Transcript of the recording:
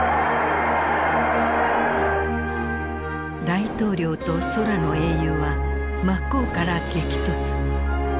大統領と空の英雄は真っ向から激突。